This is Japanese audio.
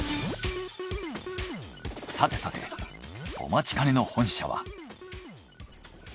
さてさてお待ちかねの本社は。